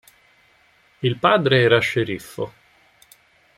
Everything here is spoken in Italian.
Il padre era sceriffo.